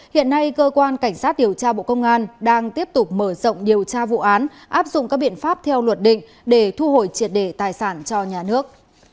hiện nay cơ quan cảnh sát điều tra bộ công an đang tiếp tục mở rộng điều tra vụ án áp dụng các biện pháp theo luật định để thu hồi triệt đề tài sản cho nhà nước